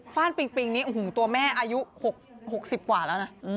่านปิงปิงนี้ตัวแม่อายุ๖๐กว่าแล้วนะ